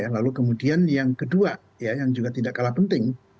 lalu kemudian yang kedua ya yang juga tidak kalah penting